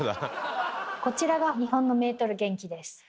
こちらが日本のメートル原器です。